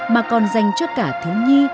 mà còn dành cho cả thiếu nhi